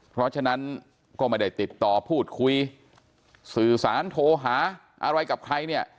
เพราะฉะนั้นก็ไม่ได้ติดต่อพูดคุยสื่อสารโทรหาอะไรกับใครเนี่ย